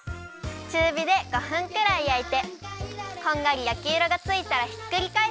ちゅうびで５分くらいやいてこんがりやきいろがついたらひっくりかえすよ。